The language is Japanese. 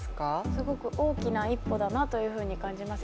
すごく大きな一歩だなというふうに感じます。